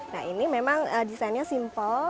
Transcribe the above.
nah ini memang desainnya simpel